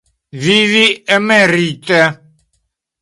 Vivi emerite.